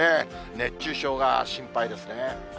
熱中症が心配ですね。